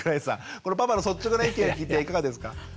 このパパの率直な意見を聞いていかがですか？